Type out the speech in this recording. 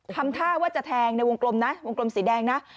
ทำท่าว่าจะแทงในวงกลมนะวงกลมสีแดงนะ